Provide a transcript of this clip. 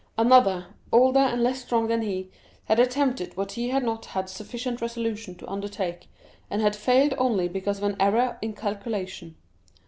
Another, older and less strong than he, had attempted what he had not had sufficient resolution to undertake, and had failed only because of an error in calculation.